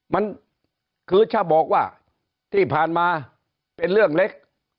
มันคือถ้าบอกว่าที่ผ่านมาเป็นเรื่องเล็ก